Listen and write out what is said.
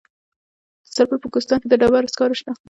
د سرپل په کوهستان کې د ډبرو سکاره شته.